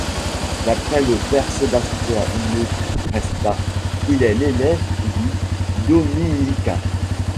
D’après le père Sebastiano Resta, il est l’élève du Dominiquin.